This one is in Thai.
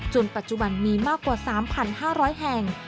ปัจจุบันมีมากกว่า๓๕๐๐แห่ง